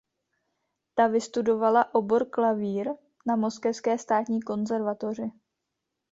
Ta vystudovala obor klavír na Moskevské státní konzervatoři.